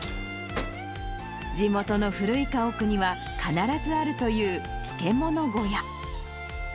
地元の古い家屋には、必ずあるという漬物小屋。